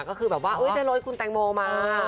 ก็คือแบบว่าจะโรยคุณแตงโมมา